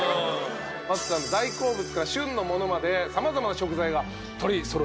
松さんの大好物から旬のものまで様々な食材が取り揃えております。